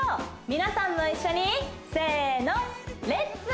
皆さんも一緒にせーのレッツ！